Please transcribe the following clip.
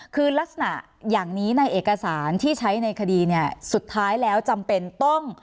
คือลักษณะอย่างนี้ในเอกสารที่ใช้ในคดีเนี่ยสุดท้ายแล้วจำเป็นต้อง